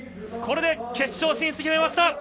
これで決勝進出決めました！